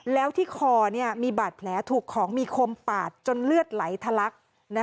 แล้วที่คอมีบาดแผลถูกของมีคมปาดจนเลือดไหลทะลัก